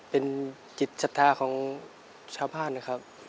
เป็นจิตศรัทธาของชาวบ้านนะครับ